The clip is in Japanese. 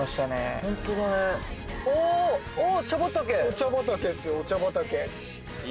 お茶畑っすよお茶畑。